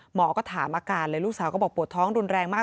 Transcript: หมอก็ถามอาการเลยลูกสาวก็บอกปวดท้องรุนแรงมาก